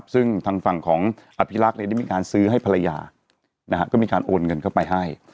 ซึ่งทางฝั่งของอภิรักษ์ได้มีการซื้อให้ภรรยาก็มีการโอนเงินเข้าไปให้